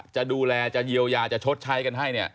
จะดูแลจะเยียวยาจะชดใช้กันให้เนี่ย